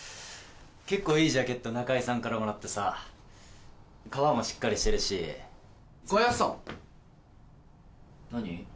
結構いいジャケット中居さんからもらってさ革もしっかりしてるしガヤさん何？